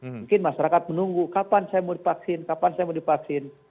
mungkin masyarakat menunggu kapan saya mau divaksin kapan saya mau divaksin